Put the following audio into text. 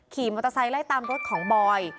ขี่มอเตอร์ไซค์ไล่ตามรถของบอย